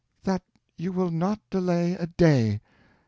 "That you will not delay a day.